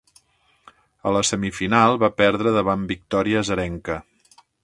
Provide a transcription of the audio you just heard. A la semifinal, va perdre davant Victoria Azarenka.